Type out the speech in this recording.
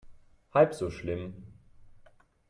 Halb so schlimm.